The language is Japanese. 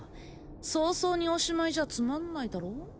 早々におしまいじゃつまんないだろ